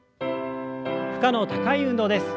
負荷の高い運動です。